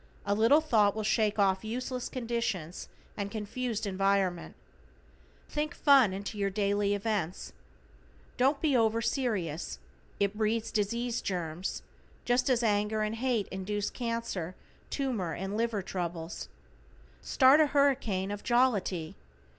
A little thought will shake off useless conditions and confused environment. Think some fun into your daily events. Don't be over serious; it breeds disease germs, just as anger and hate thoughts induce cancer, tumor and liver troubles. Start a hurricane of jollity.